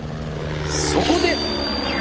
そこで！